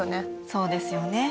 そうですよね。